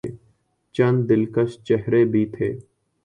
چند دلکش چہرے بھی تھے۔